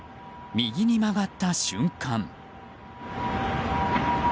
右に曲がった瞬間。